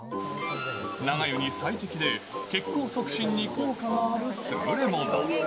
長湯に最適で血行促進に効果がある優れもの。